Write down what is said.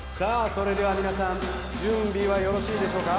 それでは皆さん準備はよろしいでしょうか？